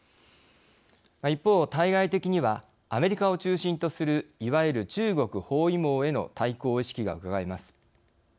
一方対外的にはアメリカを中心とするいわゆる中国包囲網への対抗意識がうかがえます。